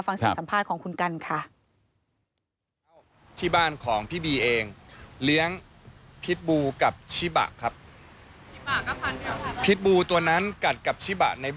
ฟังเสียงสัมภาษณ์ของคุณกันค่ะ